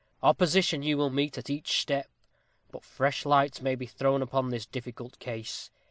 Opposition you will meet at each step. But fresh lights may be thrown upon this difficult case.